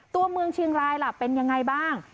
ตัวเมืองชิงรายเป็นอย่างไรบ้าง